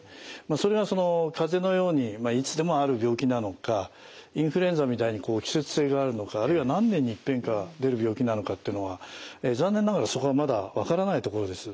それは風邪のようにいつでもある病気なのかインフルエンザみたいに季節性があるのかあるいは何年にいっぺんか出る病気なのかってのは残念ながらそこはまだ分からないところです。